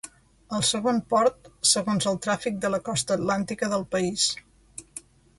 El segon port segons el tràfic de la costa atlàntica del país.